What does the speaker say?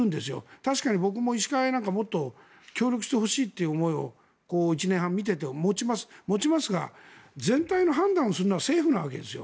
確かに僕も医師会なんか協力してほしいということを１年半見ていて持ちますが全体の判断をするのは政府なわけですよ。